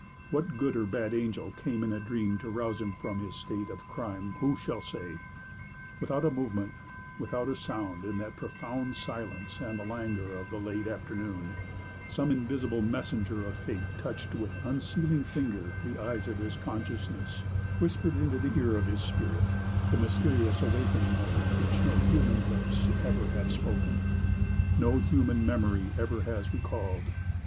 What good or bad angel came in a dream to rouse him from his state of crime, who shall say? Without a movement, without a sound, in the profound silence and the languor of the late afternoon, some invisible messenger of fate touched with unsealing finger the eyes of his consciousness whispered into the ear of his spirit the mysterious awakening word which no human lips ever have spoken, no human memory ever has recalled.